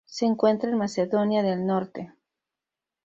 Se encuentra en Macedonia del Norte.